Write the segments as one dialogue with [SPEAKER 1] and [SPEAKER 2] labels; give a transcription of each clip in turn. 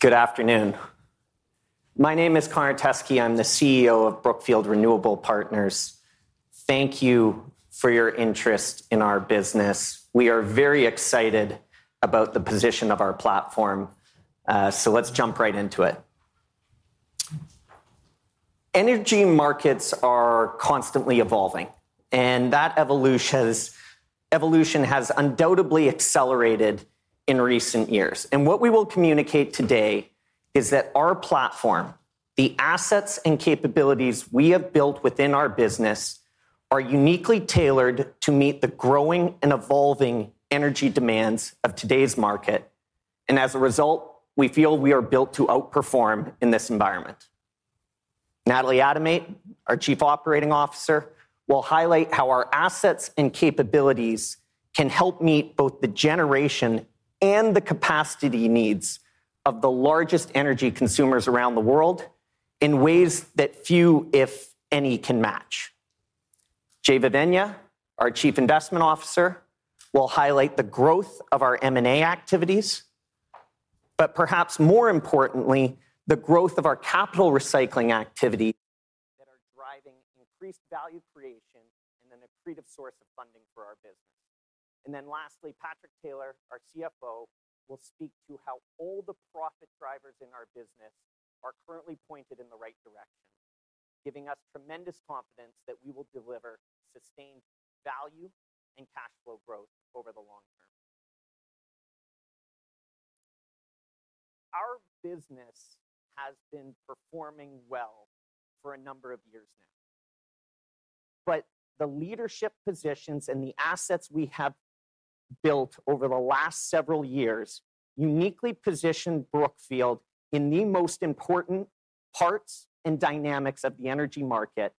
[SPEAKER 1] Good afternoon. My name is Connor Teskey. I'm the CEO of Brookfield Renewable Partners. Thank you for your interest in our business. We are very excited about the position of our platform. Let's jump right into it. Energy markets are constantly evolving, and that evolution has undoubtedly accelerated in recent years. What we will communicate today is that our platform, the assets and capabilities we have built within our business, are uniquely tailored to meet the growing and evolving energy demands of today's market. As a result, we feel we are built to outperform in this environment. Natalie Adomait, our Chief Operating Officer, will highlight how our assets and capabilities can help meet both the generation and the capacity needs of the largest energy consumers around the world in ways that few, if any, can match. Jeh Vevaina, our Chief Investment Officer, will highlight the growth of our M&A activities, but perhaps more importantly, the growth of our capital recycling activities that are driving increased value creation and an accretive source of funding for our business. Lastly, Patrick Taylor, our CFO, will speak to how all the profit drivers in our business are currently pointed in the right direction, giving us tremendous confidence that we will deliver sustained value and cash flow growth over the long term. Our business has been performing well for a number of years now, but the leadership positions and the assets we have built over the last several years uniquely position Brookfield in the most important parts and dynamics of the energy market.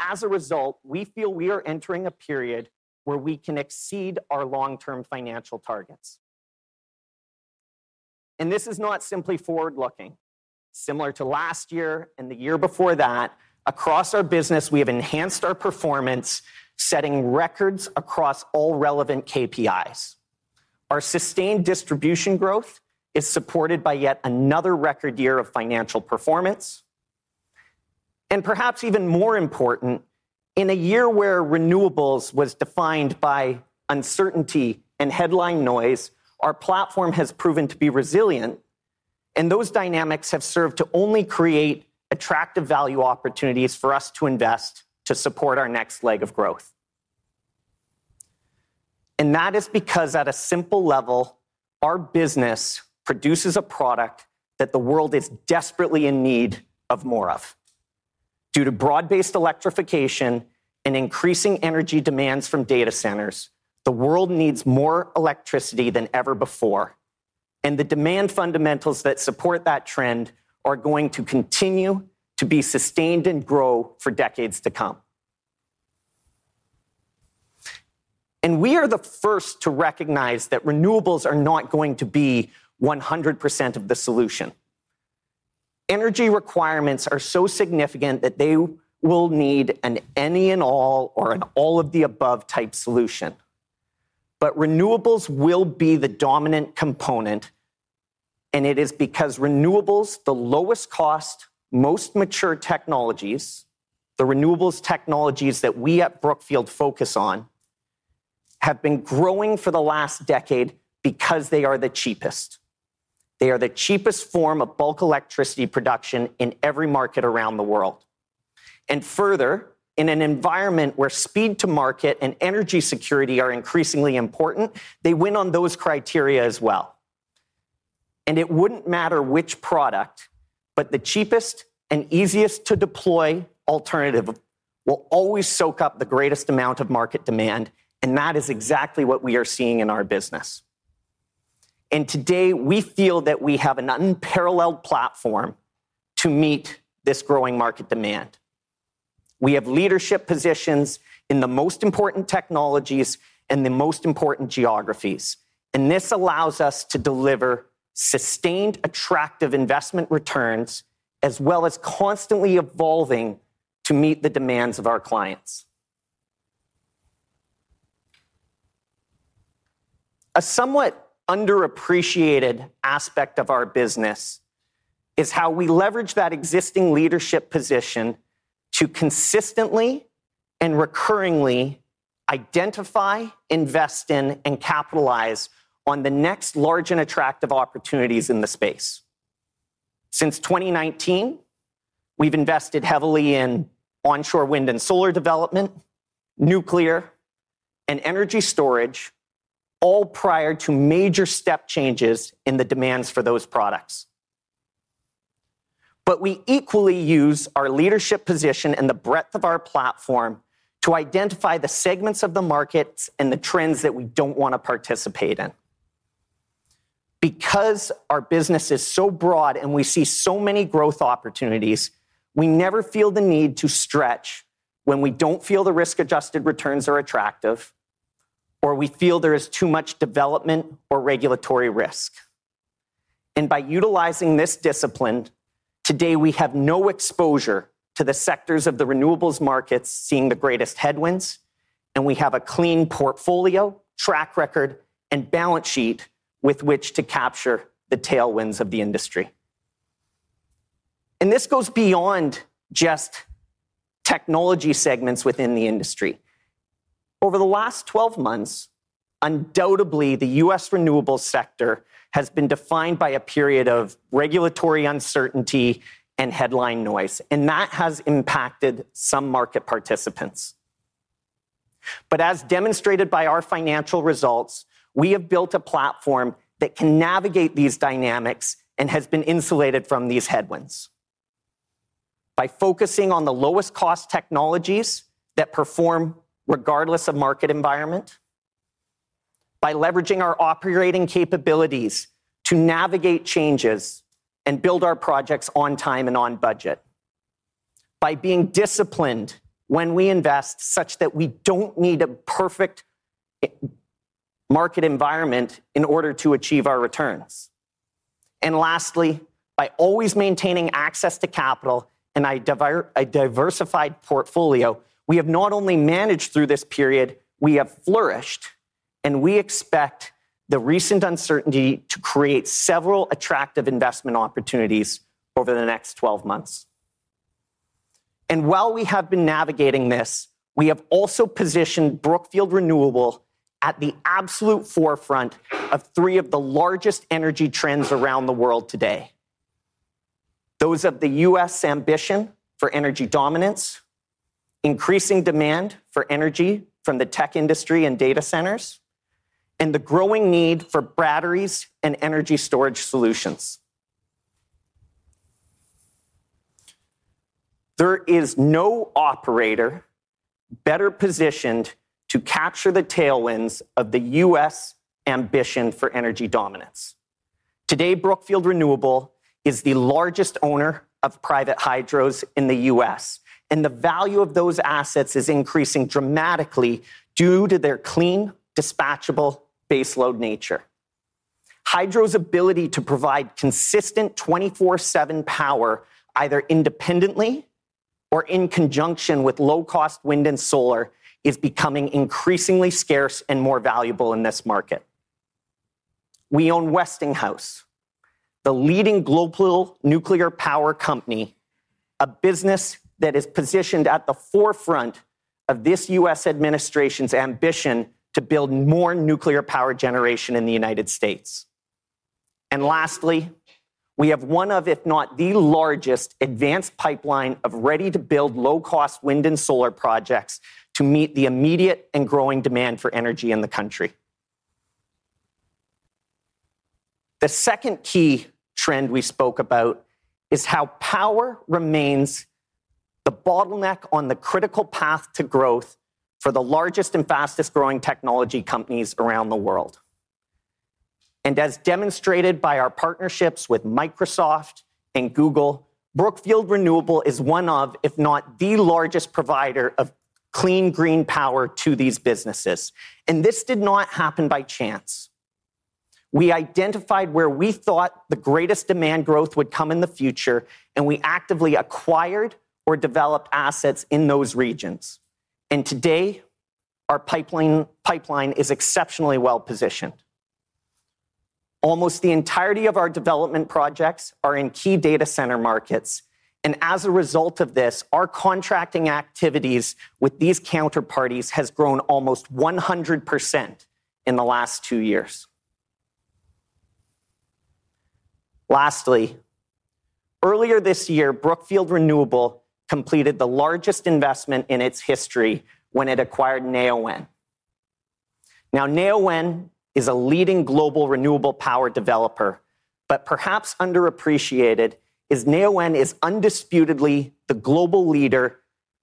[SPEAKER 1] As a result, we feel we are entering a period where we can exceed our long-term financial targets. This is not simply forward-looking. Similar to last year and the year before that, across our business, we have enhanced our performance, setting records across all relevant KPIs. Our sustained distribution growth is supported by yet another record year of financial performance. Perhaps even more important, in a year where renewables were defined by uncertainty and headline noise, our platform has proven to be resilient, and those dynamics have served to only create attractive value opportunities for us to invest to support our next leg of growth. That is because, at a simple level, our business produces a product that the world is desperately in need of more of. Due to broad-based electrification and increasing energy demands from data centers, the world needs more electricity than ever before, and the demand fundamentals that support that trend are going to continue to be sustained and grow for decades to come. We are the first to recognize that renewables are not going to be 100% of the solution. Energy requirements are so significant that they will need an any and all or an all of the above type solution. Renewables will be the dominant component, and it is because renewables, the lowest cost, most mature technologies, the renewables technologies that we at Brookfield Renewable Partners focus on, have been growing for the last decade because they are the cheapest. They are the cheapest form of bulk electricity production in every market around the world. Further, in an environment where speed to market and energy security are increasingly important, they win on those criteria as well. It wouldn't matter which product, but the cheapest and easiest to deploy alternative will always soak up the greatest amount of market demand. That is exactly what we are seeing in our business. Today, we feel that we have an unparalleled platform to meet this growing market demand. We have leadership positions in the most important technologies and the most important geographies, and this allows us to deliver sustained, attractive investment returns as well as constantly evolving to meet the demands of our clients. A somewhat underappreciated aspect of our business is how we leverage that existing leadership position to consistently and recurringly identify, invest in, and capitalize on the next large and attractive opportunities in the space. Since 2019, we've invested heavily in onshore wind and solar development, nuclear, and energy storage, all prior to major step changes in the demands for those products. We equally use our leadership position and the breadth of our platform to identify the segments of the markets and the trends that we don't want to participate in. Because our business is so broad and we see so many growth opportunities, we never feel the need to stretch when we don't feel the risk-adjusted returns are attractive or we feel there is too much development or regulatory risk. By utilizing this discipline, today we have no exposure to the sectors of the renewables markets seeing the greatest headwinds, and we have a clean portfolio, track record, and balance sheet with which to capture the tailwinds of the industry. This goes beyond just technology segments within the industry. Over the last 12 months, undoubtedly, the U.S. renewables sector has been defined by a period of regulatory uncertainty and headline noise, and that has impacted some market participants. As demonstrated by our financial results, we have built a platform that can navigate these dynamics and has been insulated from these headwinds by focusing on the lowest cost technologies that perform regardless of market environment, by leveraging our operating capabilities to navigate changes and build our projects on time and on budget, by being disciplined when we invest such that we don't need a perfect market environment in order to achieve our returns. Lastly, by always maintaining access to capital and a diversified portfolio, we have not only managed through this period, we have flourished, and we expect the recent uncertainty to create several attractive investment opportunities over the next 12 months. While we have been navigating this, we have also positioned Brookfield Renewable at the absolute forefront of three of the largest energy trends around the world today. Those are the U.S. ambition for energy dominance, increasing demand for energy from the tech industry and data centers, and the growing need for batteries and energy storage solutions. There is no operator better positioned to capture the tailwinds of the U.S. ambition for energy dominance. Today, Brookfield Renewable is the largest owner of private hydros in the U.S., and the value of those assets is increasing dramatically due to their clean, dispatchable, base load nature. Hydro's ability to provide consistent 24/7 power, either independently or in conjunction with low-cost wind and solar, is becoming increasingly scarce and more valuable in this market. We own Westinghouse, the leading global nuclear power company, a business that is positioned at the forefront of this U.S. administration's ambition to build more nuclear power generation in the United States. Lastly, we have one of, if not the largest, advanced pipeline of ready-to-build low-cost wind and solar projects to meet the immediate and growing demand for energy in the country. The second key trend we spoke about is how power remains the bottleneck on the critical path to growth for the largest and fastest growing technology companies around the world. As demonstrated by our partnerships with Microsoft and Google, Brookfield Renewable is one of, if not the largest provider of clean green power to these businesses. This did not happen by chance. We identified where we thought the greatest demand growth would come in the future, and we actively acquired or developed assets in those regions. Today, our pipeline is exceptionally well positioned. Almost the entirety of our development projects are in key data center markets. As a result of this, our contracting activities with these counterparties have grown almost 100% in the last two years. Earlier this year, Brookfield Renewable completed the largest investment in its history when it acquired Neoen. Neoen is a leading global renewable power developer, but perhaps underappreciated, Neoen is undisputedly the global leader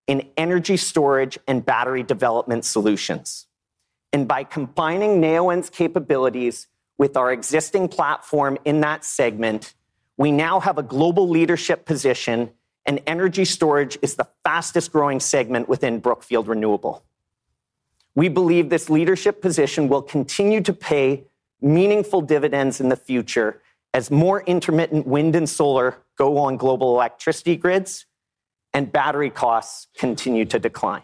[SPEAKER 1] in energy storage and battery development solutions. By combining Neoen's capabilities with our existing platform in that segment, we now have a global leadership position, and energy storage is the fastest growing segment within Brookfield Renewable. We believe this leadership position will continue to pay meaningful dividends in the future as more intermittent wind and solar go on global electricity grids and battery costs continue to decline.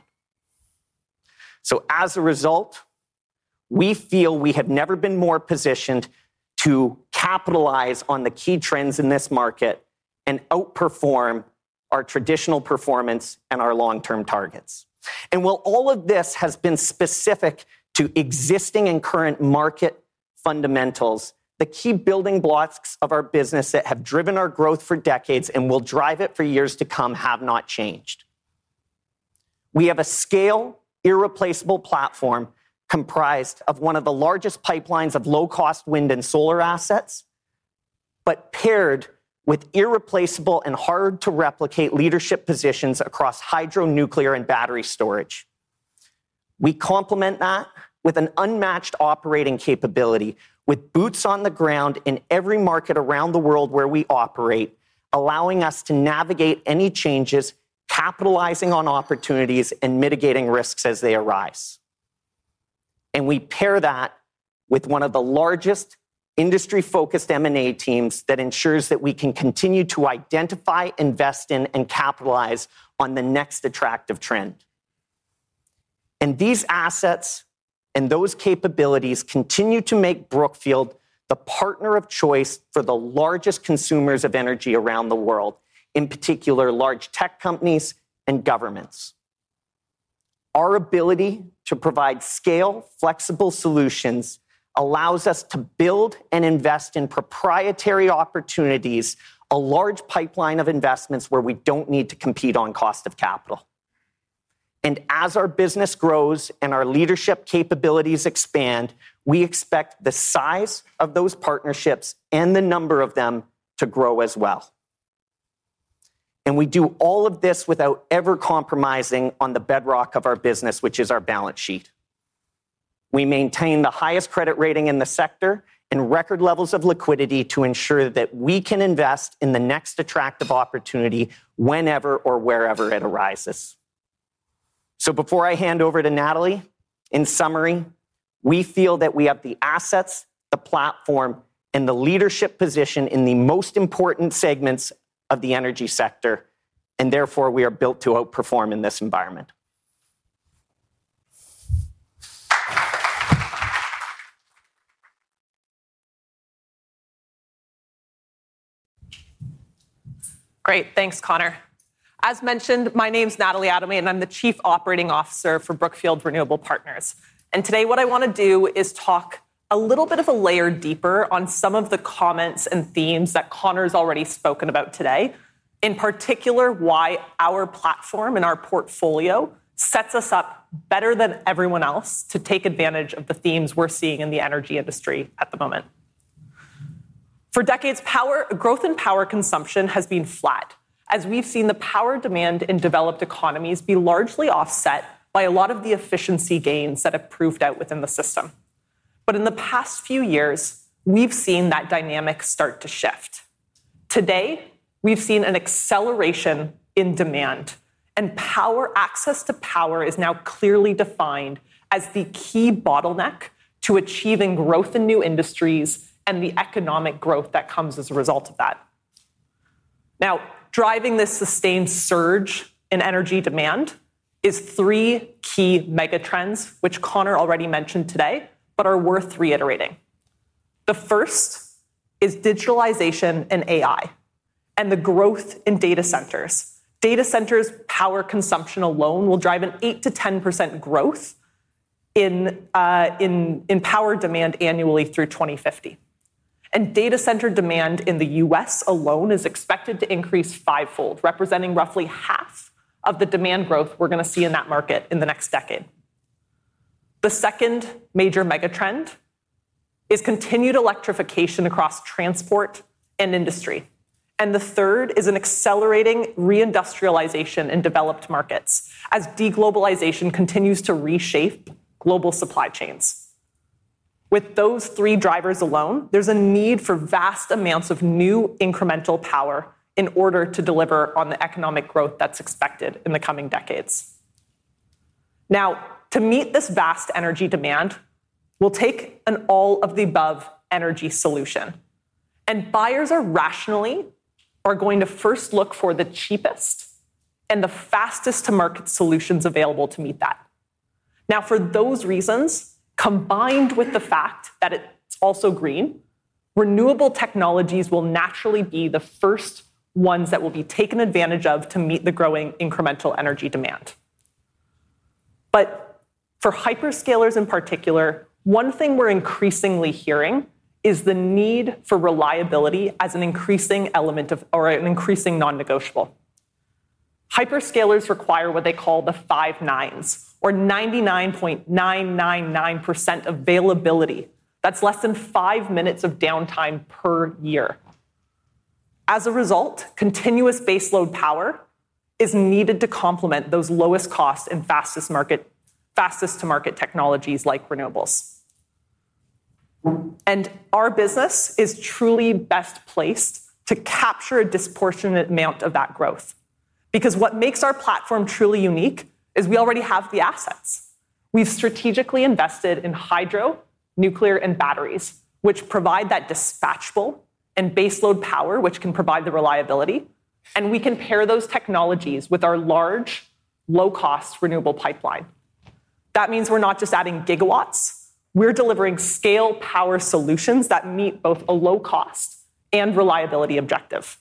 [SPEAKER 1] We feel we have never been more positioned to capitalize on the key trends in this market and outperform our traditional performance and our long-term targets. While all of this has been specific to existing and current market fundamentals, the key building blocks of our business that have driven our growth for decades and will drive it for years to come have not changed. We have a scale, irreplaceable platform comprised of one of the largest pipelines of low-cost wind and solar assets, paired with irreplaceable and hard-to-replicate leadership positions across hydro, nuclear, and battery storage. We complement that with an unmatched operating capability, with boots on the ground in every market around the world where we operate, allowing us to navigate any changes, capitalizing on opportunities, and mitigating risks as they arise. We pair that with one of the largest industry-focused M&A teams that ensures we can continue to identify, invest in, and capitalize on the next attractive trend. These assets and those capabilities continue to make Brookfield Renewable Partners the partner of choice for the largest consumers of energy around the world, in particular large tech companies and governments. Our ability to provide scale and flexible solutions allows us to build and invest in proprietary opportunities, a large pipeline of investments where we don't need to compete on cost of capital. As our business grows and our leadership capabilities expand, we expect the size of those partnerships and the number of them to grow as well. We do all of this without ever compromising on the bedrock of our business, which is our balance sheet. We maintain the highest credit rating in the sector and record levels of liquidity to ensure we can invest in the next attractive opportunity whenever or wherever it arises. Before I hand over to Natalie, in summary, we feel that we have the assets, the platform, and the leadership position in the most important segments of the energy sector, and therefore we are built to outperform in this environment.
[SPEAKER 2] Great. Thanks, Connor. As mentioned, my name is Natalie Adomait, and I'm the Chief Operating Officer for Brookfield Renewable Partners. Today what I want to do is talk a little bit of a layer deeper on some of the comments and themes that Connor's already spoken about today, in particular why our platform and our portfolio sets us up better than everyone else to take advantage of the themes we're seeing in the energy industry at the moment. For decades, growth in power consumption has been flat, as we've seen the power demand in developed economies be largely offset by a lot of the efficiency gains that have proved out within the system. In the past few years, we've seen that dynamic start to shift. Today, we've seen an acceleration in demand, and access to power is now clearly defined as the key bottleneck to achieving growth in new industries and the economic growth that comes as a result of that. Now, driving this sustained surge in energy demand is three key megatrends, which Connor already mentioned today, but are worth reiterating. The first is digitalization and AI and the growth in data centers. Data centers' power consumption alone will drive an 8%-10% growth in power demand annually through 2050. Data center demand in the U.S. alone is expected to increase fivefold, representing roughly half of the demand growth we're going to see in that market in the next decade. The second major megatrend is continued electrification across transport and industry. The third is an accelerating reindustrialization in developed markets, as de-globalization continues to reshape global supply chains. With those three drivers alone, there's a need for vast amounts of new incremental power in order to deliver on the economic growth that's expected in the coming decades. To meet this vast energy demand, it will take an all-of-the-above energy solution. Buyers rationally are going to first look for the cheapest and the fastest-to-market solutions available to meet that. For those reasons, combined with the fact that it's also green, renewable technologies will naturally be the first ones that will be taken advantage of to meet the growing incremental energy demand. For hyperscalers in particular, one thing we're increasingly hearing is the need for reliability as an increasing element of or an increasing non-negotiable. Hyperscalers require what they call the five nines or 99.999% availability. That's less than five minutes of downtime per year. As a result, continuous base load power is needed to complement those lowest costs and fastest-to-market technologies like renewables. Our business is truly best placed to capture a disproportionate amount of that growth because what makes our platform truly unique is we already have the assets. We've strategically invested in hydro, nuclear, and batteries, which provide that dispatchable and base load power, which can provide the reliability. We can pair those technologies with our large, low-cost renewable pipeline. That means we're not just adding gigawatts; we're delivering scale power solutions that meet both a low cost and reliability objective.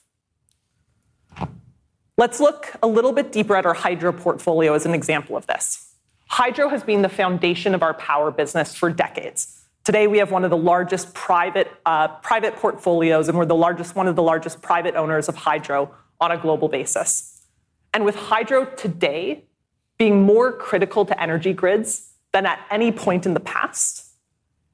[SPEAKER 2] Let's look a little bit deeper at our hydro portfolio as an example of this. Hydro has been the foundation of our power business for decades. Today, we have one of the largest private portfolios, and we're one of the largest private owners of hydro on a global basis. With hydro today being more critical to energy grids than at any point in the past,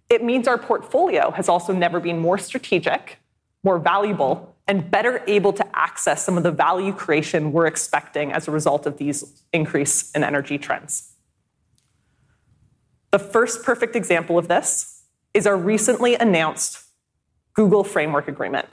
[SPEAKER 2] it means our portfolio has also never been more strategic, more valuable, and better able to access some of the value creation we're expecting as a result of these increases in energy trends. The first perfect example of this is our recently announced Google Hydro Framework Agreement.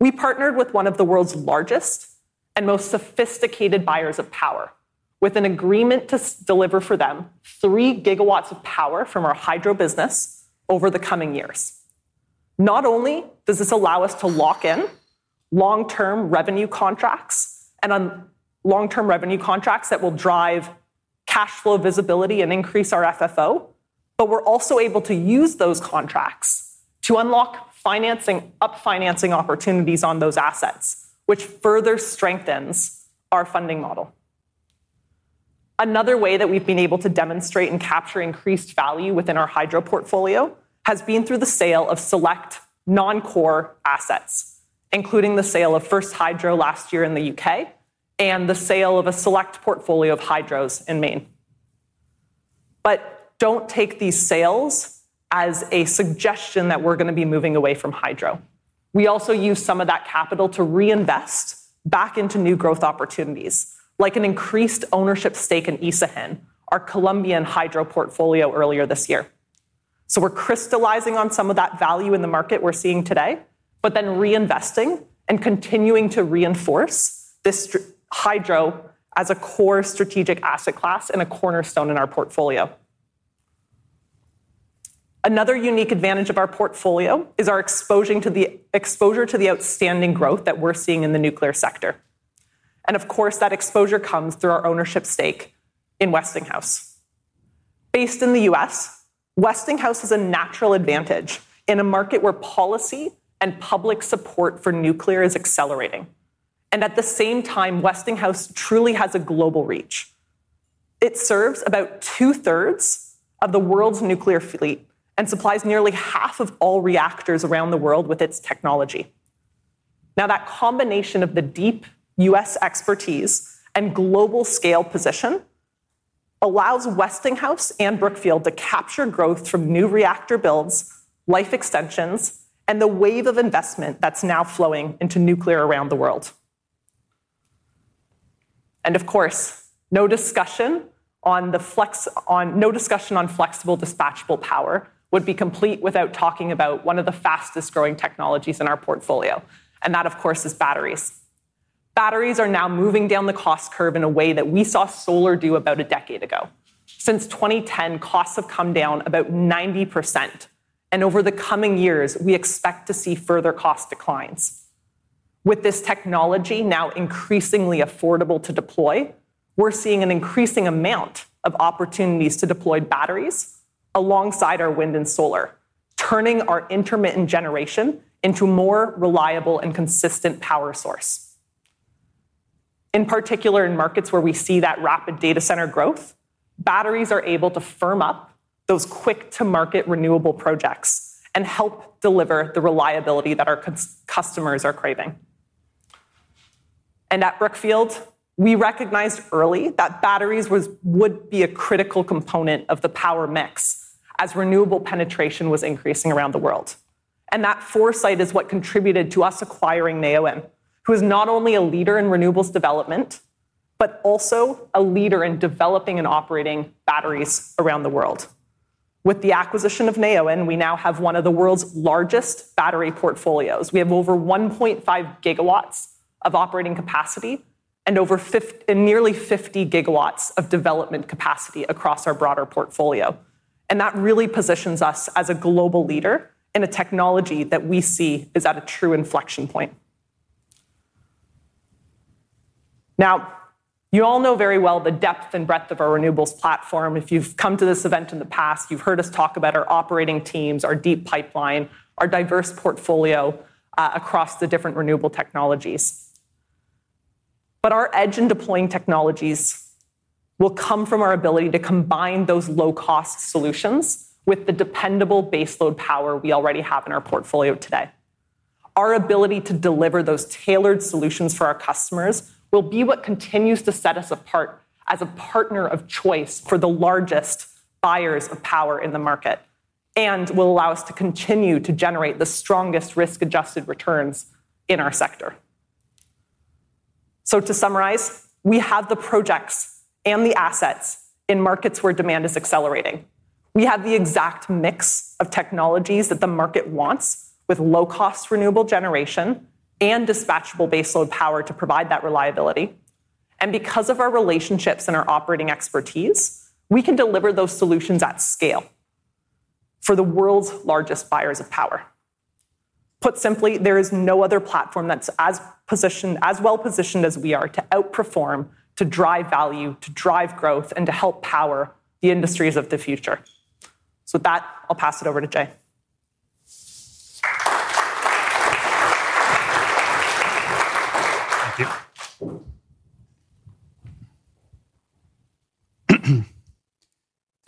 [SPEAKER 2] We partnered with one of the world's largest and most sophisticated buyers of power with an agreement to deliver for them 3 GW of power from our hydro business over the coming years. Not only does this allow us to lock in long-term revenue contracts that will drive cash flow visibility and increase our FFO, but we're also able to use those contracts to unlock financing, up-financing opportunities on those assets, which further strengthens our funding model. Another way that we've been able to demonstrate and capture increased value within our hydro portfolio has been through the sale of select non-core assets, including the sale of First Hydro last year in the UK and the sale of a select portfolio of hydros in Maine. Don't take these sales as a suggestion that we're going to be moving away from hydro. We also use some of that capital to reinvest back into new growth opportunities, like an increased ownership stake in Isagen, our Colombian hydro portfolio earlier this year. We're crystallizing on some of that value in the market we're seeing today, but then reinvesting and continuing to reinforce this hydro as a core strategic asset class and a cornerstone in our portfolio. Another unique advantage of our portfolio is our exposure to the outstanding growth that we're seeing in the nuclear sector. Of course, that exposure comes through our ownership stake in Westinghouse. Based in the U.S., Westinghouse is a natural advantage in a market where policy and public support for nuclear is accelerating. At the same time, Westinghouse truly has a global reach. It serves about2/3of the world's nuclear fleet and supplies nearly half of all reactors around the world with its technology. That combination of the deep U.S. expertise and global scale position allows Westinghouse and Brookfield to capture growth from new reactor builds, life extensions, and the wave of investment that's now flowing into nuclear around the world. No discussion on flexible dispatchable power would be complete without talking about one of the fastest growing technologies in our portfolio, and that, of course, is batteries. Batteries are now moving down the cost curve in a way that we saw solar do about a decade ago. Since 2010, costs have come down about 90%, and over the coming years, we expect to see further cost declines. With this technology now increasingly affordable to deploy, we're seeing an increasing amount of opportunities to deploy batteries alongside our wind and solar, turning our intermittent generation into a more reliable and consistent power source. In particular, in markets where we see that rapid data center growth, batteries are able to firm up those quick-to-market renewable projects and help deliver the reliability that our customers are craving. At Brookfield, we recognized early that batteries would be a critical component of the power mix as renewable penetration was increasing around the world. That foresight is what contributed to us acquiring Neoen, who is not only a leader in renewables development but also a leader in developing and operating batteries around the world. With the acquisition of Neoen, we now have one of the world's largest battery portfolios. We have over 1.5 GW of operating capacity and nearly 50 GW of development capacity across our broader portfolio. That really positions us as a global leader in a technology that we see is at a true inflection point. You all know very well the depth and breadth of our renewables platform. If you've come to this event in the past, you've heard us talk about our operating teams, our deep pipeline, our diverse portfolio across the different renewable technologies. Our edge in deploying technologies will come from our ability to combine those low-cost solutions with the dependable base load power we already have in our portfolio today. Our ability to deliver those tailored solutions for our customers will be what continues to set us apart as a partner of choice for the largest buyers of power in the market and will allow us to continue to generate the strongest risk-adjusted returns in our sector. To summarize, we have the projects and the assets in markets where demand is accelerating. We have the exact mix of technologies that the market wants with low-cost renewable generation and dispatchable base load power to provide that reliability. Because of our relationships and our operating expertise, we can deliver those solutions at scale for the world's largest buyers of power. Put simply, there is no other platform that's as well positioned as we are to outperform, to drive value, to drive growth, and to help power the industries of the future. With that, I'll pass it over to Jay.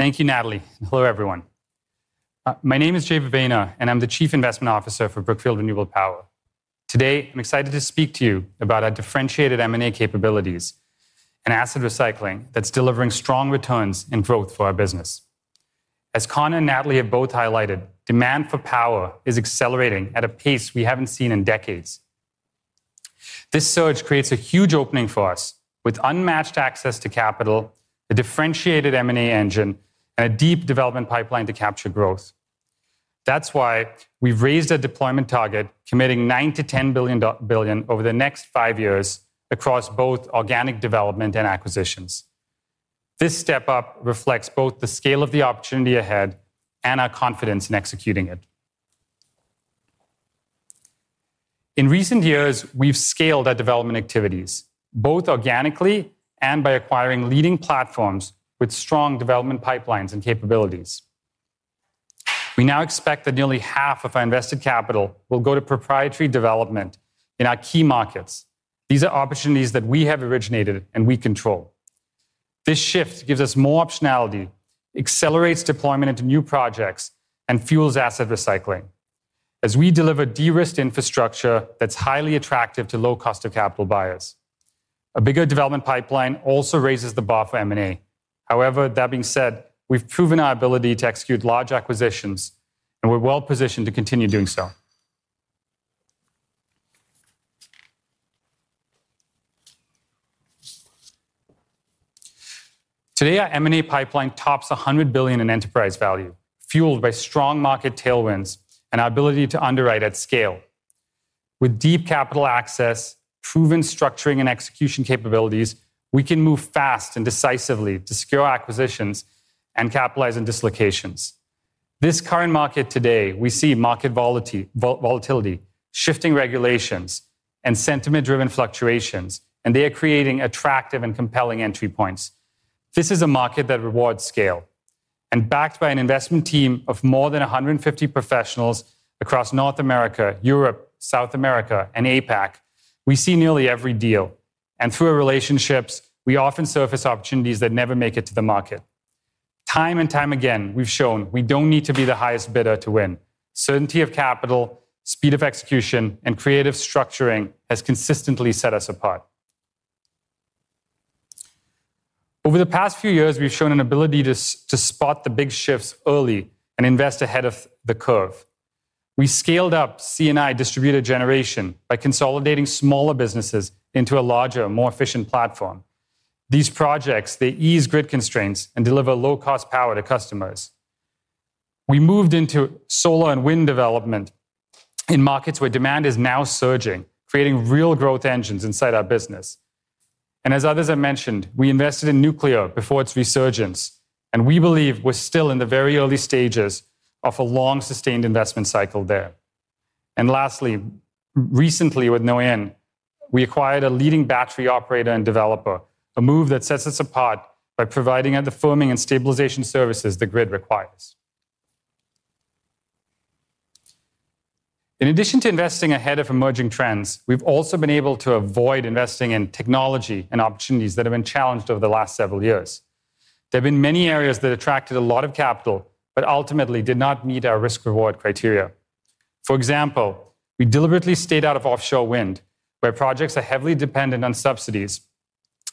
[SPEAKER 3] Thank you, Natalie. Hello, everyone. My name is Jeh Vevaina, and I'm the Chief Investment Officer for Brookfield Renewable Partners. Today, I'm excited to speak to you about our differentiated M&A capabilities and asset recycling that's delivering strong returns and growth for our business. As Connor and Natalie have both highlighted, demand for power is accelerating at a pace we haven't seen in decades. This surge creates a huge opening for us with unmatched access to capital, a differentiated M&A engine, and a deep development pipeline to capture growth. That's why we've raised our deployment target, committing $9 billion-$10 billion over the next five years across both organic development and acquisitions. This step up reflects both the scale of the opportunity ahead and our confidence in executing it. In recent years, we've scaled our development activities, both organically and by acquiring leading platforms with strong development pipelines and capabilities. We now expect that nearly half of our invested capital will go to proprietary development in our key markets. These are opportunities that we have originated and we control. This shift gives us more optionality, accelerates deployment into new projects, and fuels asset recycling as we deliver de-risked infrastructure that's highly attractive to low cost of capital buyers. A bigger development pipeline also raises the bar for M&A. However, we've proven our ability to execute large acquisitions, and we're well positioned to continue doing so. Today, our M&A pipeline tops $100 billion in enterprise value, fueled by strong market tailwinds and our ability to underwrite at scale. With deep capital access, proven structuring and execution capabilities, we can move fast and decisively to scale acquisitions and capitalize on dislocations. In this current market today, we see market volatility, shifting regulations, and sentiment-driven fluctuations, and they are creating attractive and compelling entry points. This is a market that rewards scale. Backed by an investment team of more than 150 professionals across North America, Europe, South America, and APAC, we see nearly every deal. Through our relationships, we often surface opportunities that never make it to the market. Time and time again, we've shown we don't need to be the highest bidder to win. Certainty of capital, speed of execution, and creative structuring have consistently set us apart. Over the past few years, we've shown an ability to spot the big shifts early and invest ahead of the curve. We scaled up C&I distributed generation by consolidating smaller businesses into a larger, more efficient platform. These projects ease grid constraints and deliver low-cost power to customers. We moved into solar and wind development in markets where demand is now surging, creating real growth engines inside our business. As others have mentioned, we invested in nuclear before its resurgence, and we believe we're still in the very early stages of a long sustained investment cycle there. Recently with Neoen, we acquired a leading battery operator and developer, a move that sets us apart by providing the firming and stabilization services the grid requires. In addition to investing ahead of emerging trends, we've also been able to avoid investing in technology and opportunities that have been challenged over the last several years. There have been many areas that attracted a lot of capital but ultimately did not meet our risk-reward criteria. For example, we deliberately stayed out of offshore wind, where projects are heavily dependent on subsidies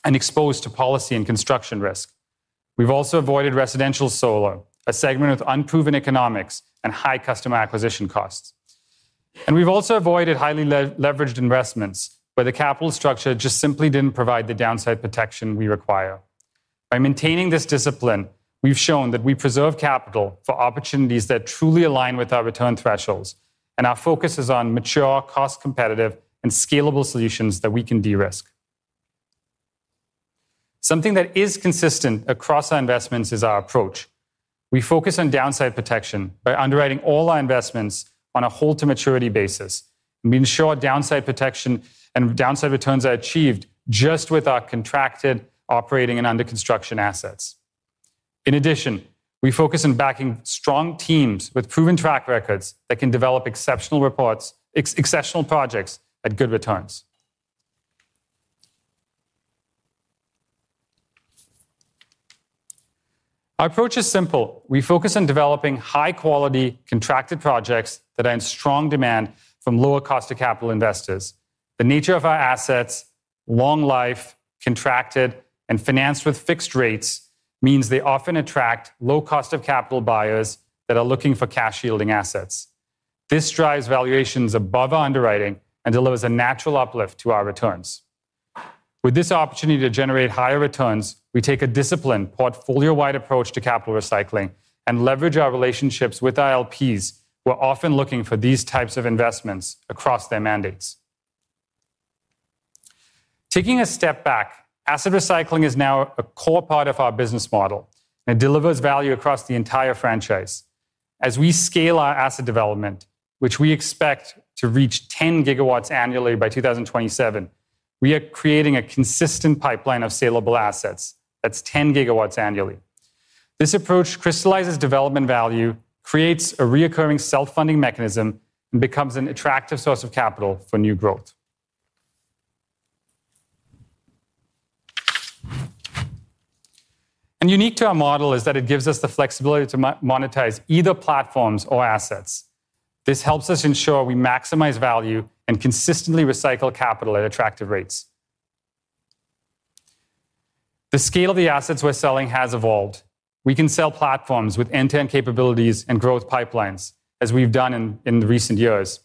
[SPEAKER 3] and exposed to policy and construction risk. We've also avoided residential solar, a segment with unproven economics and high customer acquisition costs. We've also avoided highly leveraged investments where the capital structure just simply didn't provide the downside protection we require. By maintaining this discipline, we've shown that we preserve capital for opportunities that truly align with our return thresholds, and our focus is on mature, cost-competitive, and scalable solutions that we can de-risk. Something that is consistent across our investments is our approach. We focus on downside protection by underwriting all our investments on a hold-to-maturity basis. We ensure downside protection and downside returns are achieved just with our contracted, operating, and under construction assets. In addition, we focus on backing strong teams with proven track records that can develop exceptional projects at good returns. Our approach is simple. We focus on developing high-quality contracted projects that are in strong demand from lower cost of capital investors. The nature of our assets, long life, contracted, and financed with fixed rates, means they often attract low cost of capital buyers that are looking for cash yielding assets. This drives valuations above our underwriting and delivers a natural uplift to our returns. With this opportunity to generate higher returns, we take a disciplined portfolio-wide approach to capital recycling and leverage our relationships with our LPs who are often looking for these types of investments across their mandates. Taking a step back, asset recycling is now a core part of our business model, and it delivers value across the entire franchise. As we scale our asset development, which we expect to reach 10 GW annually by 2027, we are creating a consistent pipeline of scalable assets. That's 10 GW annually. This approach crystallizes development value, creates a recurring self-funding mechanism, and becomes an attractive source of capital for new growth. Unique to our model is that it gives us the flexibility to monetize either platforms or assets. This helps us ensure we maximize value and consistently recycle capital at attractive rates. The scale of the assets we're selling has evolved. We can sell platforms with end-to-end capabilities and growth pipelines as we've done in recent years.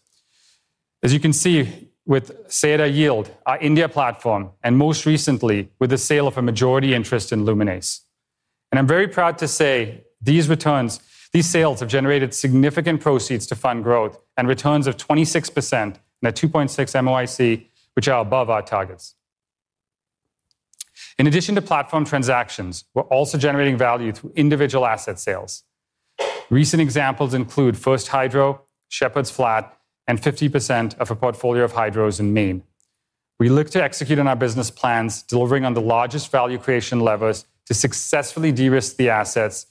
[SPEAKER 3] As you can see, with Saeta Yield, our India platform, and most recently with the sale of a majority interest in Luminace. I'm very proud to say these returns, these sales have generated significant proceeds to fund growth and returns of 26% and a 2.6 MOIC, which are above our targets. In addition to platform transactions, we're also generating value through individual asset sales. Recent examples include First Hydro, Shepherds Flat, and 50% of a portfolio of hydros in Maine. We look to execute on our business plans, delivering on the largest value creation levers to successfully de-risk the assets.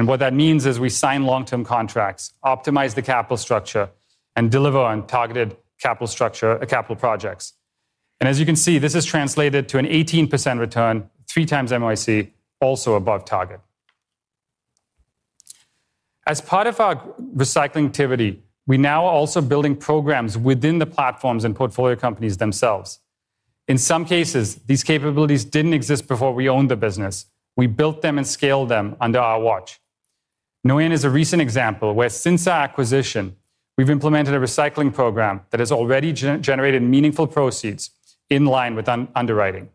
[SPEAKER 3] What that means is we sign long-term contracts, optimize the capital structure, and deliver on targeted capital structure and capital projects. As you can see, this has translated to an 18% return, three times MOIC, also above target. As part of our recycling activity, we now are also building programs within the platforms and portfolio companies themselves. In some cases, these capabilities didn't exist before we owned the business. We built them and scaled them under our watch. Neoen is a recent example where, since our acquisition, we've implemented a recycling program that has already generated meaningful proceeds in line with underwriting.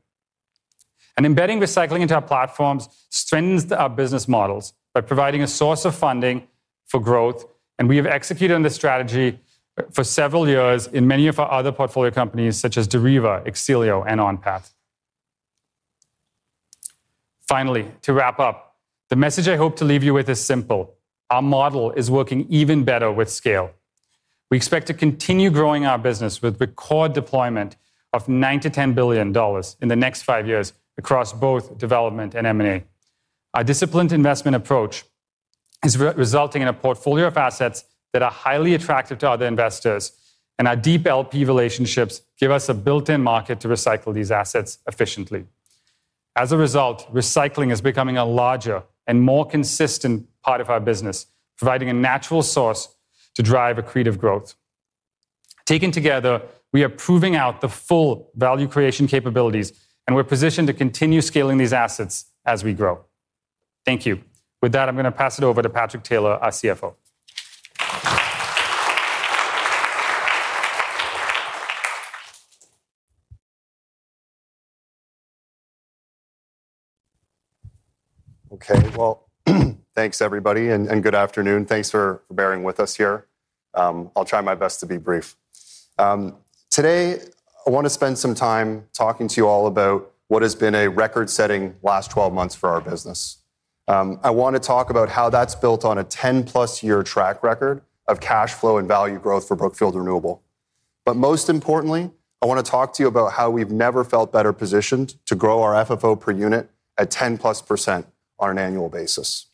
[SPEAKER 3] Embedding recycling into our platforms strengthens our business models by providing a source of funding for growth. We have executed on this strategy for several years in many of our other portfolio companies, such as Deriva, X-Elio, and OnPath. Finally, to wrap up, the message I hope to leave you with is simple. Our model is working even better with scale. We expect to continue growing our business with record deployment of $9 billion-$10 billion in the next five years across both development and M&A. Our disciplined investment approach is resulting in a portfolio of assets that are highly attractive to other investors, and our deep LP relationships give us a built-in market to recycle these assets efficiently. As a result, recycling is becoming a larger and more consistent part of our business, providing a natural source to drive accretive growth. Taken together, we are proving out the full value creation capabilities, and we're positioned to continue scaling these assets as we grow. Thank you. With that, I'm going to pass it over to Patrick Taylor, our CFO.
[SPEAKER 4] Okay. Thanks, everybody, and good afternoon. Thanks for bearing with us here. I'll try my best to be brief. Today, I want to spend some time talking to you all about what has been a record-setting last 12 months for our business. I want to talk about how that's built on a 10+-year track record of cash flow and value growth for Brookfield Renewable. Most importantly, I want to talk to you about how we've never felt better positioned to grow our FFO per unit at 10%+ on an annual basis.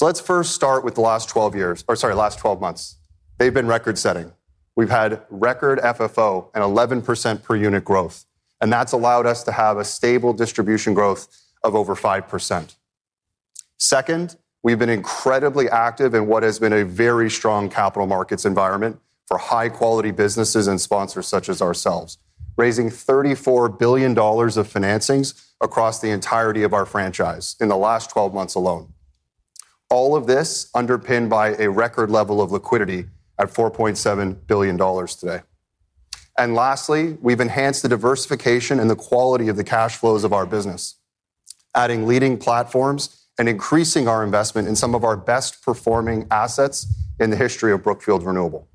[SPEAKER 4] Let's first start with the last 12 months. They've been record-setting. We've had record FFO and 11% per unit growth, and that's allowed us to have a stable distribution growth of over 5%. Second, we've been incredibly active in what has been a very strong capital markets environment for high-quality businesses and sponsors such as ourselves, raising $34 billion of financings across the entirety of our franchise in the last 12 months alone. All of this underpinned by a record level of liquidity at $4.7 billion today. Lastly, we've enhanced the diversification and the quality of the cash flows of our business, adding leading platforms and increasing our investment in some of our best-performing assets in the history of Brookfield Renewable.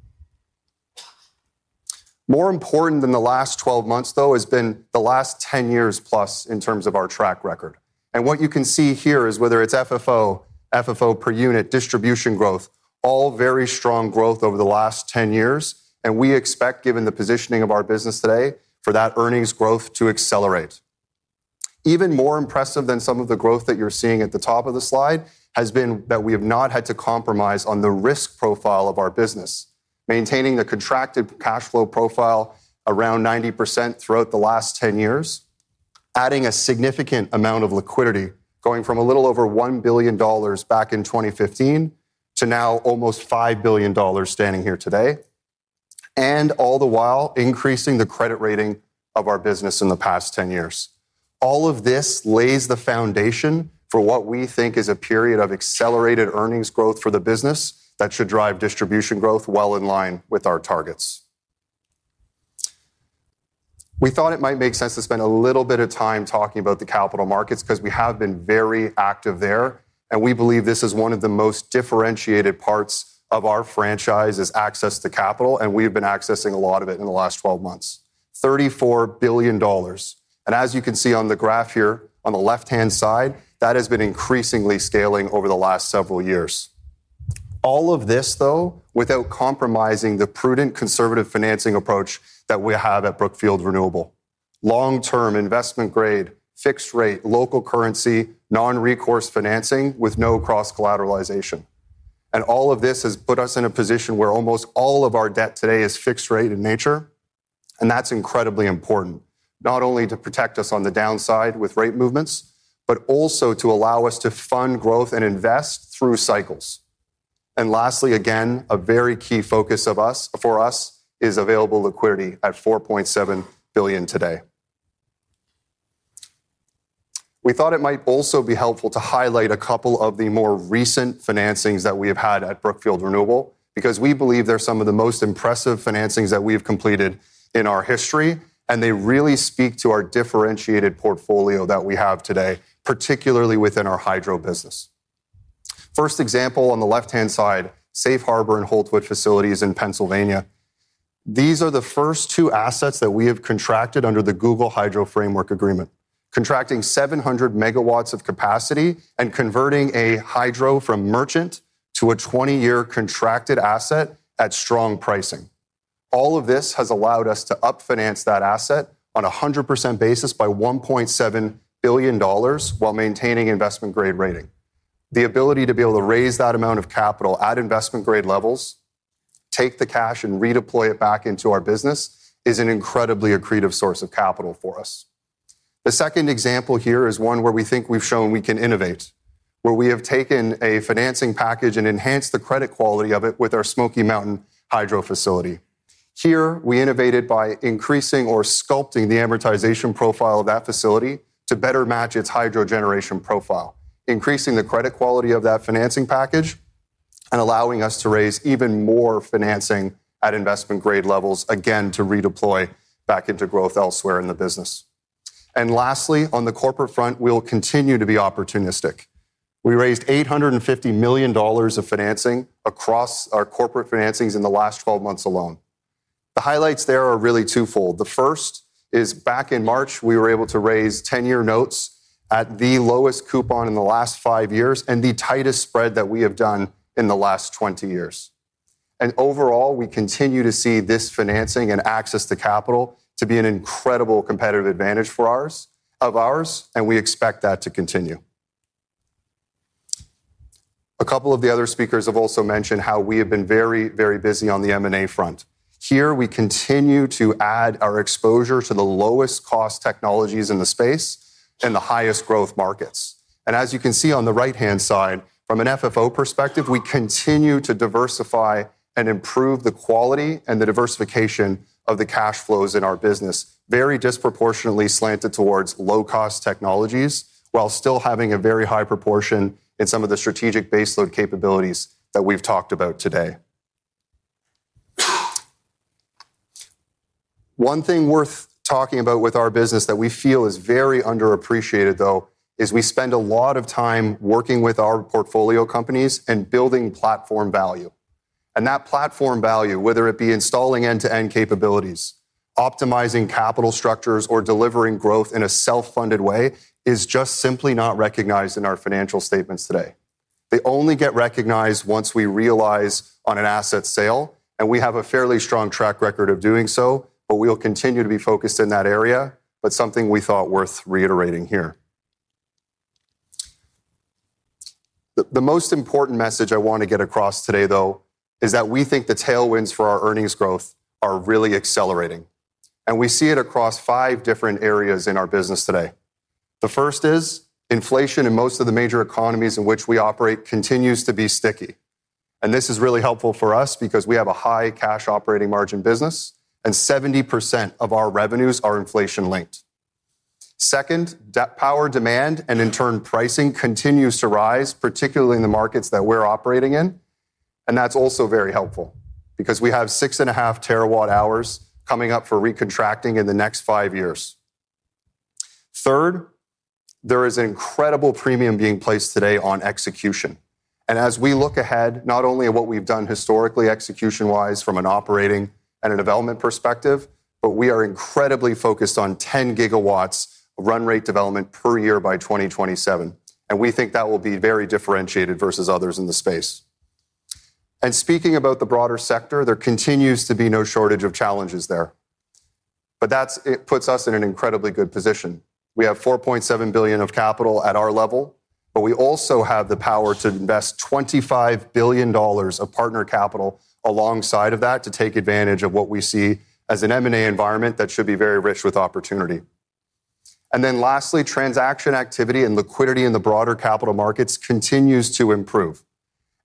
[SPEAKER 4] More important than the last 12 months, though, has been the last 10+ years in terms of our track record. What you can see here is whether it's FFO, FFO per unit, distribution growth, all very strong growth over the last 10 years. We expect, given the positioning of our business today, for that earnings growth to accelerate. Even more impressive than some of the growth that you're seeing at the top of the slide has been that we have not had to compromise on the risk profile of our business, maintaining the contracted cash flow profile around 90% throughout the last 10 years, adding a significant amount of liquidity, going from a little over $1 billion back in 2015 to now almost $5 billion standing here today, and all the while increasing the credit rating of our business in the past 10 years. All of this lays the foundation for what we think is a period of accelerated earnings growth for the business that should drive distribution growth well in line with our targets. We thought it might make sense to spend a little bit of time talking about the capital markets because we have been very active there. We believe this is one of the most differentiated parts of our franchise: access to capital, and we've been accessing a lot of it in the last 12 months. $34 billion. As you can see on the graph here on the left-hand side, that has been increasingly scaling over the last several years. All of this, though, without compromising the prudent, conservative financing approach that we have at Brookfield Renewable. Long-term investment grade, fixed rate, local currency, non-recourse financing with no cross-collateralization. All of this has put us in a position where almost all of our debt today is fixed rate in nature. That's incredibly important, not only to protect us on the downside with rate movements, but also to allow us to fund growth and invest through cycles. Lastly, a very key focus for us is available liquidity at $4.7 billion today. We thought it might also be helpful to highlight a couple of the more recent financings that we have had at Brookfield Renewable because we believe they're some of the most impressive financings that we've completed in our history, and they really speak to our differentiated portfolio that we have today, particularly within our hydro business. First example on the left-hand side: Safe Harbor and Holtwood facilities in Pennsylvania. These are the first two assets that we have contracted under the Google Hydro Framework Agreement, contracting 700 MW of capacity and converting a hydro from merchant to a 20-year contracted asset at strong pricing. All of this has allowed us to up-finance that asset on a 100% basis by $1.7 billion while maintaining investment grade rating. The ability to be able to raise that amount of capital at investment grade levels, take the cash, and redeploy it back into our business is an incredibly accretive source of capital for us. The second example here is one where we think we've shown we can innovate, where we have taken a financing package and enhanced the credit quality of it with our Smoky Mountain Hydro facility. Here, we innovated by increasing or sculpting the amortization profile of that facility to better match its hydro generation profile, increasing the credit quality of that financing package and allowing us to raise even more financing at investment grade levels, again, to redeploy back into growth elsewhere in the business. Lastly, on the corporate front, we'll continue to be opportunistic. We raised $850 million of financing across our corporate financings in the last 12 months alone. The highlights there are really twofold. The first is back in March, we were able to raise 10-year notes at the lowest coupon in the last five years and the tightest spread that we have done in the last 20 years. Overall, we continue to see this financing and access to capital to be an incredible competitive advantage of ours, and we expect that to continue. A couple of the other speakers have also mentioned how we have been very, very busy on the M&A front. Here, we continue to add our exposure to the lowest cost technologies in the space and the highest growth markets. As you can see on the right-hand side, from an FFO perspective, we continue to diversify and improve the quality and the diversification of the cash flows in our business, very disproportionately slanted towards low-cost technologies while still having a very high proportion in some of the strategic base load capabilities that we've talked about today. One thing worth talking about with our business that we feel is very underappreciated, though, is we spend a lot of time working with our portfolio companies and building platform value. That platform value, whether it be installing end-to-end capabilities, optimizing capital structures, or delivering growth in a self-funded way, is just simply not recognized in our financial statements today. They only get recognized once we realize on an asset sale, and we have a fairly strong track record of doing so, but we'll continue to be focused in that area. Something we thought worth reiterating here. The most important message I want to get across today, though, is that we think the tailwinds for our earnings growth are really accelerating. We see it across five different areas in our business today. The first is inflation in most of the major economies in which we operate continues to be sticky. This is really helpful for us because we have a high cash operating margin business, and 70% of our revenues are inflation linked. Second, power demand and in turn, pricing continues to rise, particularly in the markets that we're operating in. That's also very helpful because we have six and a half terawatt hours coming up for recontracting in the next five years. Third, there is an incredible premium being placed today on execution. As we look ahead, not only at what we've done historically execution-wise from an operating and a development perspective, we are incredibly focused on 10 GW run rate development per year by 2027. We think that will be very differentiated versus others in the space. Speaking about the broader sector, there continues to be no shortage of challenges there. That puts us in an incredibly good position. We have $4.7 billion of capital at our level, but we also have the power to invest $25 billion of partner capital alongside of that to take advantage of what we see as an M&A environment that should be very rich with opportunity. Lastly, transaction activity and liquidity in the broader capital markets continues to improve.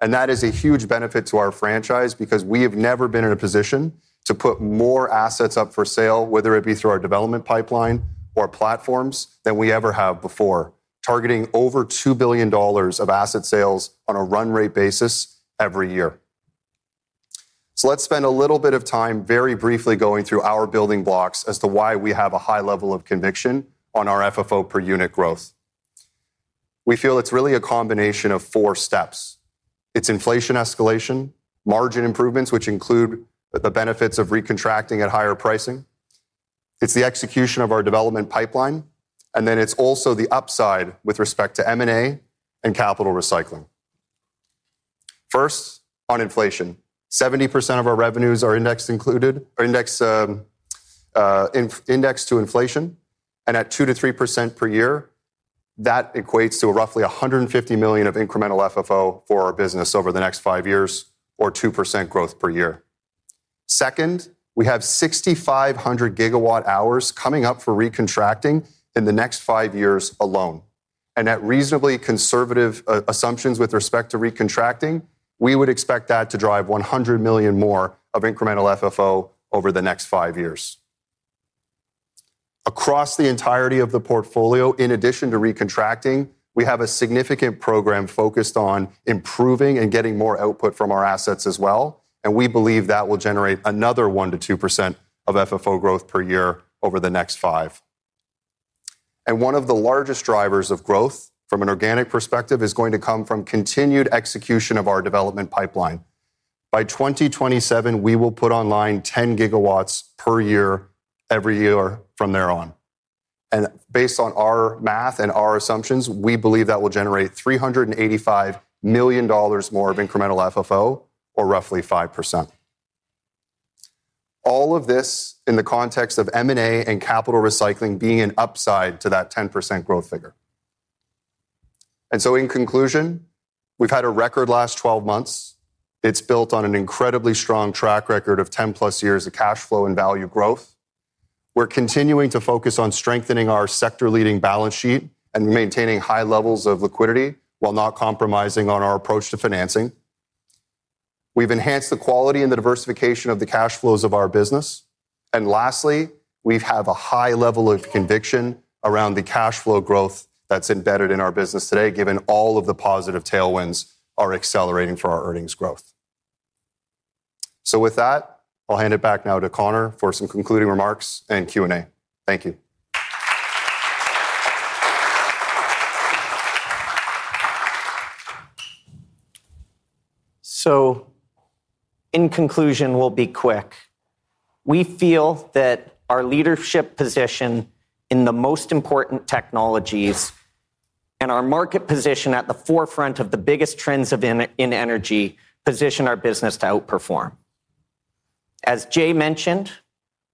[SPEAKER 4] That is a huge benefit to our franchise because we have never been in a position to put more assets up for sale, whether it be through our development pipeline or platforms, than we ever have before, targeting over $2 billion of asset sales on a run rate basis every year. Let's spend a little bit of time very briefly going through our building blocks as to why we have a high level of conviction on our FFO per unit growth. We feel it's really a combination of four steps. It's inflation escalation, margin improvements, which include the benefits of recontracting at higher pricing, the execution of our development pipeline, and the upside with respect to M&A and capital recycling. First, on inflation, 70% of our revenues are indexed to inflation. At 2%-3% per year, that equates to roughly $150 million of incremental FFO for our business over the next five years or 2% growth per year. Second, we have 6,500 GW hours coming up for recontracting in the next five years alone. At reasonably conservative assumptions with respect to recontracting, we would expect that to drive $100 million more of incremental FFO over the next five years. Across the entirety of the portfolio, in addition to recontracting, we have a significant program focused on improving and getting more output from our assets as well. We believe that will generate another 1%-2% of FFO growth per year over the next five. One of the largest drivers of growth from an organic perspective is going to come from continued execution of our development pipeline. By 2027, we will put online 10 GW per year every year from there on. Based on our math and our assumptions, we believe that will generate $385 million more of incremental FFO or roughly 5%. All of this in the context of M&A and capital recycling being an upside to that 10% growth figure. In conclusion, we've had a record last 12 months. It's built on an incredibly strong track record of 10+ years of cash flow and value growth. We're continuing to focus on strengthening our sector-leading balance sheet and maintaining high levels of liquidity while not compromising on our approach to financing. We've enhanced the quality and the diversification of the cash flows of our business. Lastly, we have a high level of conviction around the cash flow growth that's embedded in our business today, given all of the positive tailwinds that are accelerating for our earnings growth. With that, I'll hand it back now to Connor for some concluding remarks and Q&A. Thank you.
[SPEAKER 1] In conclusion, we'll be quick. We feel that our leadership position in the most important technologies and our market position at the forefront of the biggest trends in energy position our business to outperform. As Jay mentioned,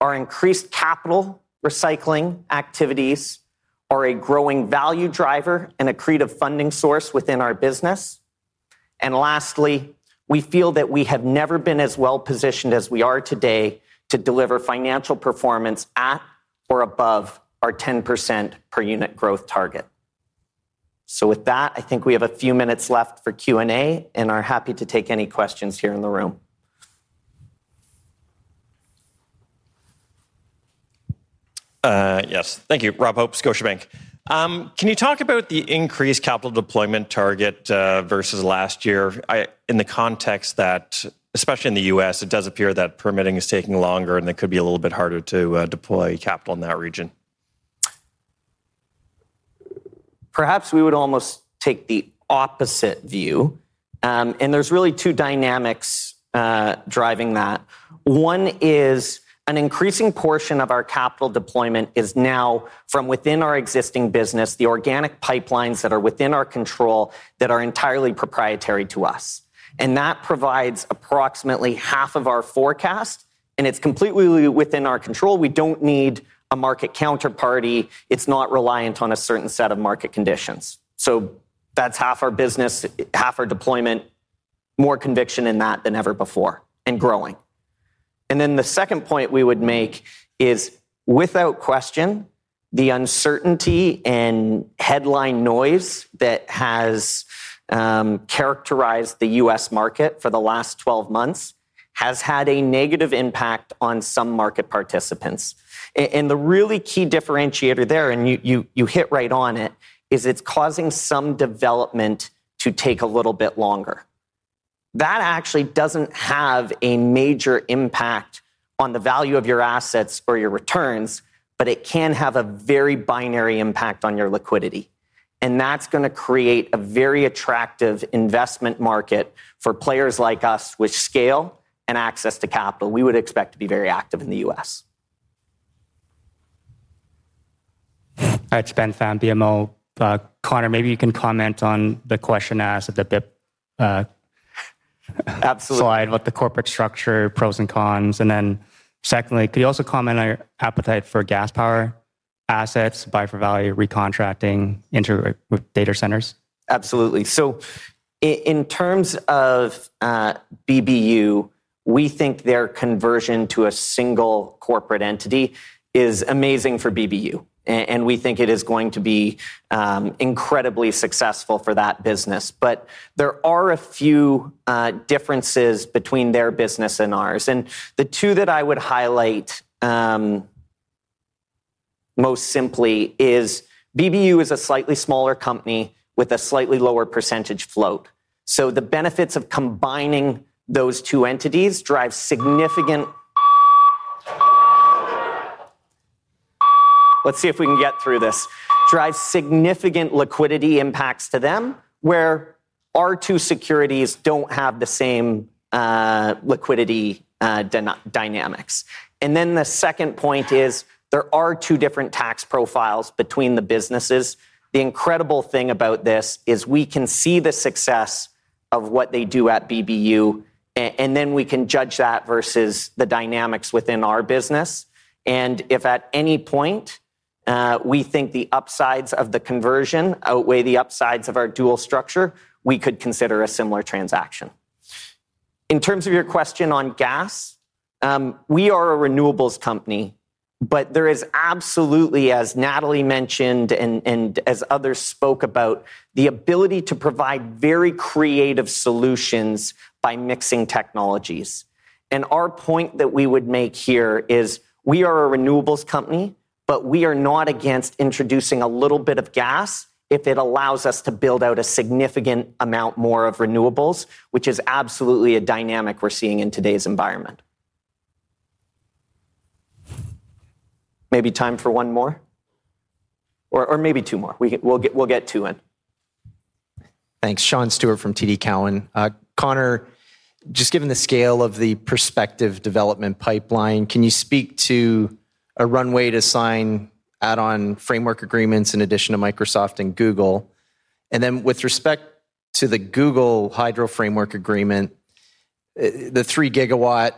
[SPEAKER 1] our increased capital recycling activities are a growing value driver and accretive funding source within our business. Lastly, we feel that we have never been as well positioned as we are today to deliver financial performance at or above our 10% per unit growth target. With that, I think we have a few minutes left for Q&A and are happy to take any questions here in the room.
[SPEAKER 5] Yes. Thank you. Rob Hope, Scotiabank. Can you talk about the increased capital deployment target versus last year in the context that, especially in the U.S., it does appear that permitting is taking longer and it could be a little bit harder to deploy capital in that region?
[SPEAKER 1] Perhaps we would almost take the opposite view. There are really two dynamics driving that. One is an increasing portion of our capital deployment is now from within our existing business, the organic pipelines that are within our control that are entirely proprietary to us. That provides approximately half of our forecast, and it's completely within our control. We don't need a market counterparty. It's not reliant on a certain set of market conditions. That's half our business, half our deployment, more conviction in that than ever before and growing. The second point we would make is, without question, the uncertainty and headline noise that has characterized the U.S. market for the last 12 months has had a negative impact on some market participants. The really key differentiator there, and you hit right on it, is it's causing some development to take a little bit longer. That actually doesn't have a major impact on the value of your assets or your returns, but it can have a very binary impact on your liquidity. That's going to create a very attractive investment market for players like us with scale and access to capital. We would expect to be very active in the U.S.
[SPEAKER 6] It's Ben Pham, BMO. Connor, maybe you can comment on the question I asked at the slide about the corporate structure, pros and cons. Then secondly, could you also comment on your appetite for gas power assets, buy for value, recontracting into data centers?
[SPEAKER 1] Absolutely. In terms of BBU, we think their conversion to a single corporate entity is amazing for BBU, and we think it is going to be incredibly successful for that business. There are a few differences between their business and ours. The two that I would highlight most simply are BBU is a slightly smaller company with a slightly lower percentage float. The benefits of combining those two entities drive significant liquidity impacts to them, where our two securities do not have the same liquidity dynamics. The second point is there are two different tax profiles between the businesses. The incredible thing about this is we can see the success of what they do at BBU, and then we can judge that versus the dynamics within our business. If at any point we think the upsides of the conversion outweigh the upsides of our dual structure, we could consider a similar transaction. In terms of your question on gas, we are a renewables company, but there is absolutely, as Natalie mentioned and as others spoke about, the ability to provide very creative solutions by mixing technologies. Our point that we would make here is we are a renewables company, but we are not against introducing a little bit of gas if it allows us to build out a significant amount more of renewables, which is absolutely a dynamic we're seeing in today's environment. Maybe time for one more, or maybe two more. We'll get two in.
[SPEAKER 7] Thanks. Sean Stewart from TD Cowan. Connor, just given the scale of the prospective development pipeline, can you speak to a runway to sign add-on framework agreements in addition to Microsoft and Google? With respect to the Google Hydro Framework Agreement, the 3 GW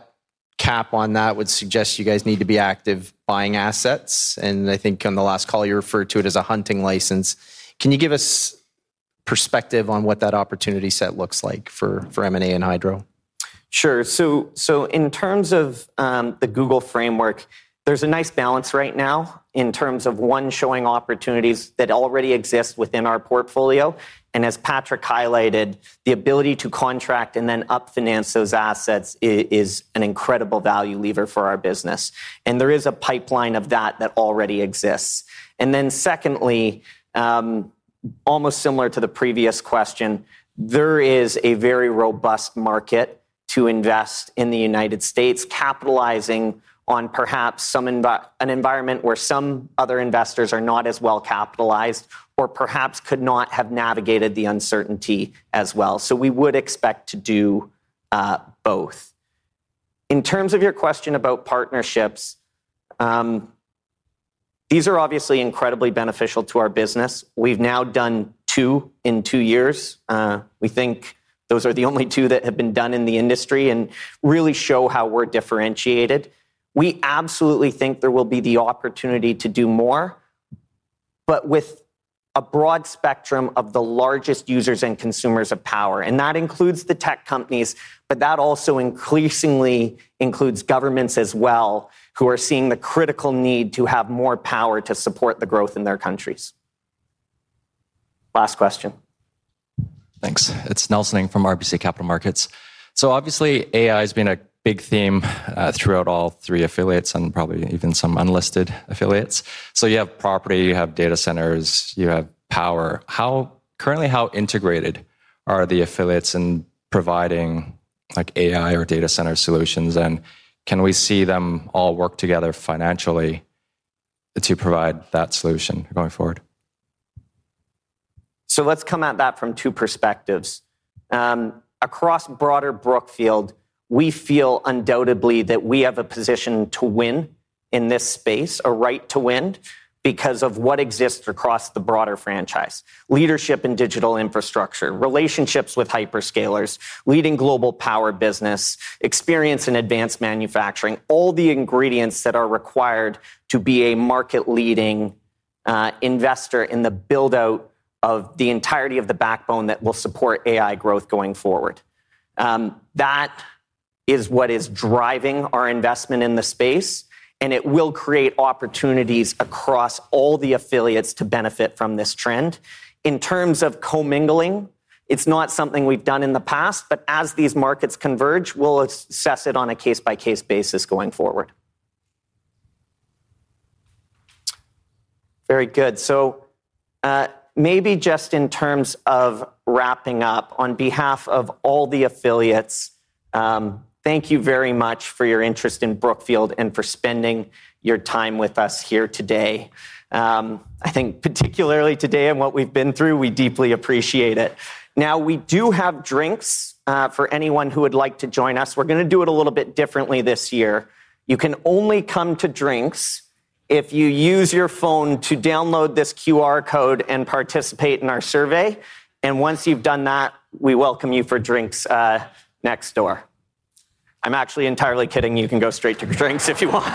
[SPEAKER 7] cap on that would suggest you guys need to be active buying assets. I think on the last call, you referred to it as a hunting license. Can you give us a perspective on what that opportunity set looks like for M&A and hydro?
[SPEAKER 1] Sure. In terms of the Google Framework Agreement, there's a nice balance right now in terms of one, showing opportunities that already exist within our portfolio. As Patrick highlighted, the ability to contract and then up-finance those assets is an incredible value lever for our business. There is a pipeline of that that already exists. Secondly, almost similar to the previous question, there is a very robust market to invest in the United States, capitalizing on perhaps an environment where some other investors are not as well capitalized or perhaps could not have navigated the uncertainty as well. We would expect to do both. In terms of your question about partnerships, these are obviously incredibly beneficial to our business. We've now done two in two years. We think those are the only two that have been done in the industry and really show how we're differentiated. We absolutely think there will be the opportunity to do more, but with a broad spectrum of the largest users and consumers of power. That includes the tech companies, but that also increasingly includes governments as well who are seeing the critical need to have more power to support the growth in their countries. Last question.
[SPEAKER 8] Thanks. It's Nelson Ng from RBC Capital Markets. Obviously, AI has been a big theme throughout all three affiliates and probably even some unlisted affiliates. You have property, you have data centers, you have power. Currently, how integrated are the affiliates in providing like AI or data center solutions? Can we see them all work together financially to provide that solution going forward?
[SPEAKER 1] Let's come at that from two perspectives. Across broader Brookfield, we feel undoubtedly that we have a position to win in this space, a right to win, because of what exists across the broader franchise. Leadership in digital infrastructure, relationships with hyperscalers, leading global power business, experience in advanced manufacturing, all the ingredients that are required to be a market-leading investor in the build-out of the entirety of the backbone that will support AI growth going forward. That is what is driving our investment in the space, and it will create opportunities across all the affiliates to benefit from this trend. In terms of commingling, it's not something we've done in the past, but as these markets converge, we'll assess it on a case-by-case basis going forward. Very good. Maybe just in terms of wrapping up, on behalf of all the affiliates, thank you very much for your interest in Brookfield and for spending your time with us here today. I think particularly today and what we've been through, we deeply appreciate it. We do have drinks for anyone who would like to join us. We're going to do it a little bit differently this year. You can only come to drinks if you use your phone to download this QR code and participate in our survey. Once you've done that, we welcome you for drinks next door. I'm actually entirely kidding. You can go straight to drinks if you want.